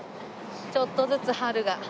ちょっとずつ春が。